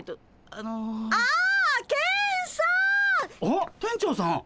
あっ店長さん。